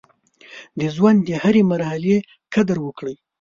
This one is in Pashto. د ژوند د هرې مرحلې قدر وکړئ.